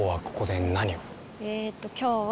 えーっと今日は。